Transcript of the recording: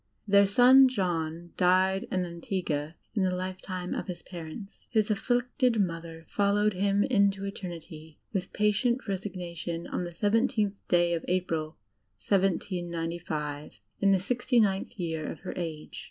Their son John died in Antigua in the lifetime '' .,..„«Google of his parents. His afflicted mother followed him into Eter nity with patient resignation on the seventeenth day of April, i795,in the 69th year of her age.